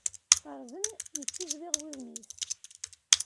Teṛẓen, yettiẓwiɣ wudem-is.